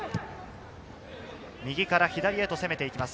右から左へ攻めていきます。